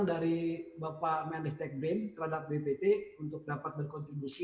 dari bapak manage tech brain terhadap bppt untuk dapat berkontribusi